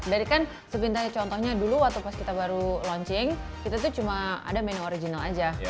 dari kan sebenarnya contohnya dulu waktu pas kita baru launching kita tuh cuma ada menu original aja